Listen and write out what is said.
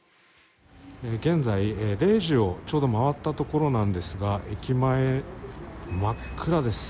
現在０時をちょうど回ったところなんですが駅前、真っ暗です。